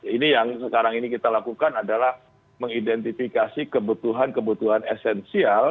ini yang sekarang ini kita lakukan adalah mengidentifikasi kebutuhan kebutuhan esensial